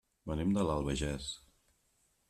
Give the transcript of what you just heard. Venim de l'Albagés.